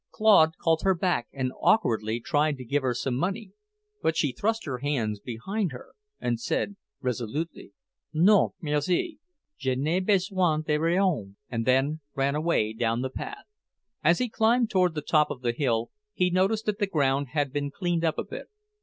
Claude called her back and awkwardly tried to give her some money, but she thrust her hands behind her and said resolutely, "Non, merci. Je n'ai besoin de rien," and then ran away down the path. As he climbed toward the top of the hill he noticed that the ground had been cleaned up a bit.